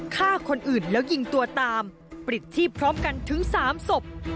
ฆ่าคนอื่นแล้วยิงตัวตามปลิดที่พร้อมกันถึง๓ศพ